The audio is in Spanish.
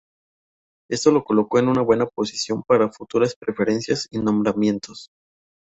Esto lo colocó en una buena posición para futuras preferencias y nombramientos.